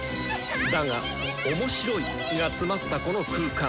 だが「面白い」が詰まったこの空間！